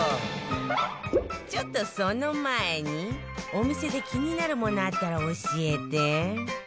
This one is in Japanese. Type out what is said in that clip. ちょっとその前にお店で気になるものあったら教えて！